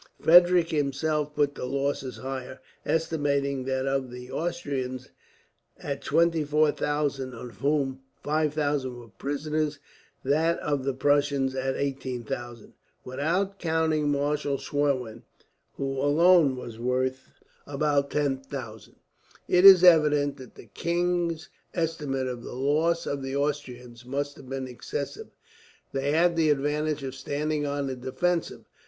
Frederick himself put the losses higher, estimating that of the Austrians at 24,000, of whom 5000 were prisoners, that of the Prussians at 18,000, "without counting Marshal Schwerin, who alone was worth about 10,000." It is evident that the king's estimate of the loss of the Austrians must have been excessive. They had the advantage of standing on the defensive.